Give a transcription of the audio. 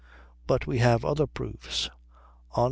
But we have other proofs. On p.